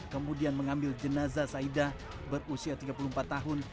kemudian mengambil jenazah saidah berusia tiga puluh empat tahun